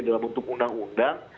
dalam bentuk undang undang